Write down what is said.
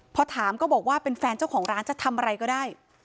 พอถามก็บอกว่าเป็นแฟนเจ้าของร้านจะทำอะไรก็ได้